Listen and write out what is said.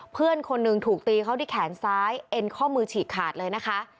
เพื่อนคนหนึ่งถูกตีเขาที่แขนซ้ายเอ็นข้อมือฉีกขาดเลยนะคะ